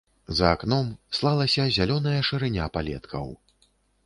За акном слалася зялёная шырыня палеткаў.